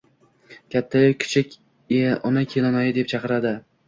Kattayu kichik uni Kelinoyi deb chaqiradi.